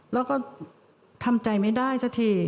แล้วก็ทำใจไม่ได้สักที